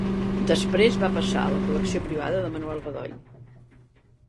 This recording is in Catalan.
Després va passar a la col·lecció privada de Manuel Godoy.